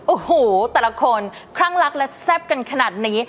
โอ้โหแต่ละคนคลั่งรักและแซ่บกันขนาดนี้